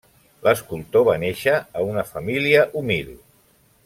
L'escultor va néixer a una família humil.